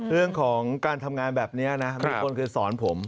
เรื่องของการทำงานแบบนี้นะมีคนเคยสอนผม